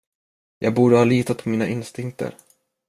Jag borde ha litat på mina instinkter.